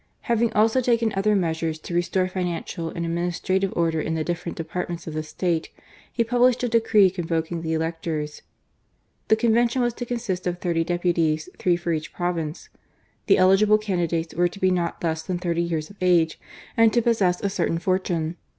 Having also taken other measures to restore financial and administra* tive order in the different departments of the State, he published a decree convoking the electors. The Convention was to consist of thirty deputies, three fcMT each province : the eligible candidates were to he not less than thirty years of age, and to possess a certain fortune.